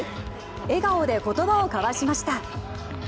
笑顔で言葉を交わしました。